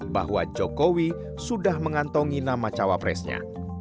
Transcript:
bahwa jokowi sudah mengantongi nama cawapresnya